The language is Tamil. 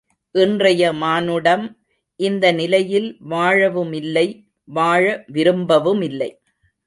இன்றைய மானுடம் இந்த நிலையில் வாழவுமில்லை வாழ விரும்பவுமில்லை.